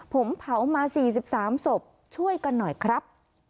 ผมเผามา๔๓ศพช่วยกันหน่อยครับ